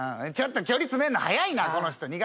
ちょっと距離詰めんの早いなこの人。